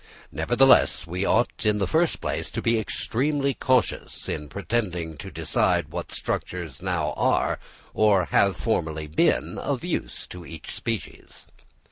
Nevertheless, we ought, in the first place, to be extremely cautious in pretending to decide what structures now are, or have formerly been, of use to each species.